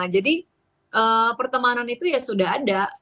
jadi pertemanan itu ya sudah ada